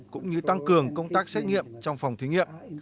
cũng như tăng cường công tác xét nghiệm trong phòng thí nghiệm